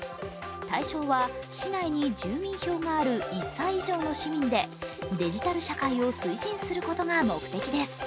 対象は、市内に住民票がある１歳以上の市民でデジタル社会を推進することが目的です。